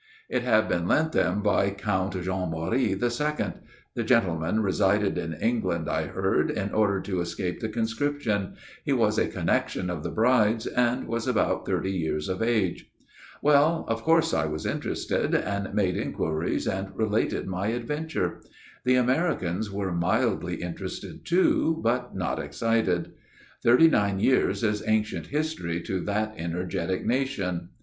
It had been lent them by Count Jean Marie the Second. The gentleman resided in England, I heard, in order to escape the conscription ; he was a connexion of the bride's ; and was about thirty years of age. " Well, of course I was interested ; and made inquiries and related my adventure. The Ameri cans were mildly interested too, but not excited. Thirty nine years is ancient history to that ener getic nation."